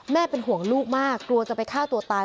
เป็นห่วงลูกมากกลัวจะไปฆ่าตัวตาย